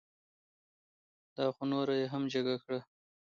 دا خو نوره یې هم جگه کړه.